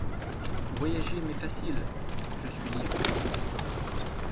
Voyager m'est facile … je suis libre.